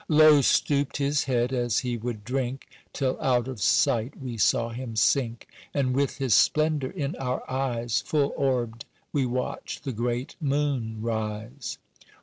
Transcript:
"Low stooped his head as he would drink, Till out of sight we saw him sink, And with his splendour in our eyes, Full orbed we watched the great moon rise.